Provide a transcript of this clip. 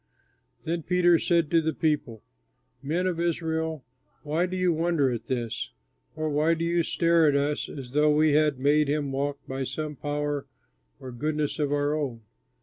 Then Peter said to the people: "Men of Israel, why do you wonder at this? Or why do you stare at us as though we had made him walk by some power or goodness of our own?